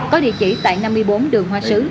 có địa chỉ tại năm mươi bốn đường hoa sứ